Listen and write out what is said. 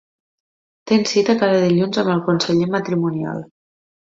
Tens cita cada dilluns amb el conseller matrimonial.